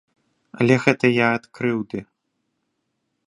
Але гэта я ад крыўды.